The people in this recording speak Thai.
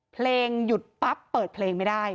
เพลงหยุดปั๊บเปิดเพลงไม่ได้